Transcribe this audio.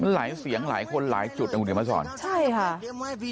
หลายสัญญาณหลายสัญญาณหลายสัญญาแอธ